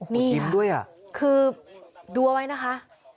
นี่คือดูเอาไว้นะคะ